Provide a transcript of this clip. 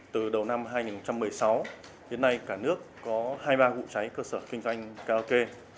từ đầu năm hai nghìn một mươi sáu đến nay cả nước có hai mươi ba vụ cháy cơ sở kinh doanh karaoke